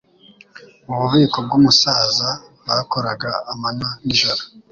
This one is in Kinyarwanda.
Mu bubiko bwumusaza, bakoraga amanywa n'ijoro.